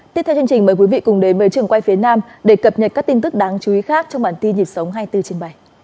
tiếp theo chương trình mời quý vị cùng đến với trường quay phía nam để cập nhật các tin tức đáng chú ý khác trong bản tin nhịp sống hai mươi bốn trên bảy